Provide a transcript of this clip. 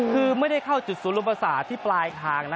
คือไม่ได้เข้าจุดศูนย์รวมประสาทที่ปลายทางนะ